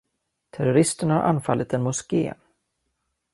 Terroristerna har anfallit en moské.